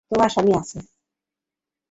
তোমারটার স্বামী আছে?